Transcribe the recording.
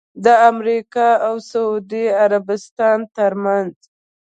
د امریکا اوسعودي عربستان ترمنځ